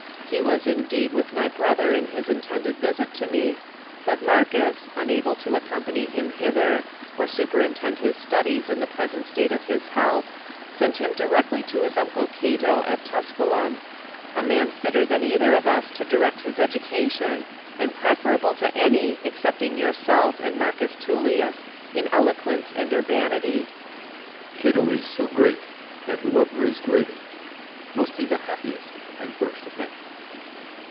He was indeed with my brother in his intended visit to me ; but Marcus, unable to accom pany him hither, or superintend his studies in the present state of his health, sent him directly to his Uncle Cato at Tusculum — a man fitter than either of us to direct his education, and preferable to any, excepting yourself and Marcus Tullius, in eloquence and urbanity.